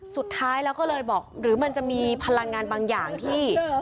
สุดท้ายแล้วก็เลยบอกหรือมันจะมีพลังงานบางอย่างที่